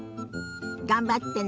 頑張ってね。